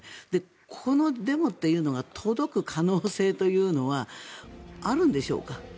このデモというのが届く可能性というのはあるんでしょうか。